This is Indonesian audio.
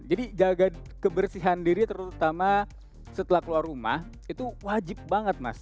jadi jaga kebersihan diri terutama setelah keluar rumah itu wajib banget mas